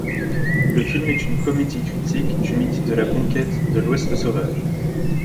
Le film est une comédie critique du mythe de la conquête de l'ouest sauvage.